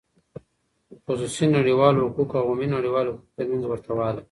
د خصوصی نړیوالو حقوقو او عمومی نړیوالو حقوقو تر منځ ورته والی :